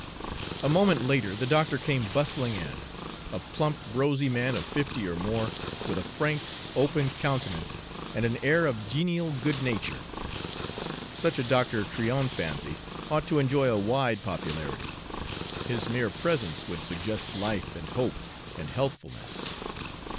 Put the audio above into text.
A moment later the doctor came bustling in, a plump, rosy man of fifty or more, with a frank, open countenance and an air of genial good nature. Such a doctor, Tryon fancied, ought to enjoy a wide popularity. His mere presence would suggest life and hope and healthfulness.